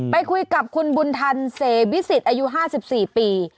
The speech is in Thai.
ไปคุยกับคุณบุญทันเสวิสิตอายุ๕๔ปี